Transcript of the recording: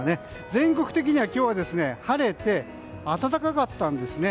全国的には今日は晴れて暖かかったんですね。